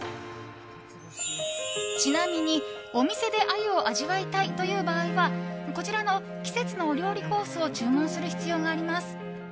ちなみに、お店でアユを味わいたいという場合はこちらの季節のお料理コースを注文する必要があります。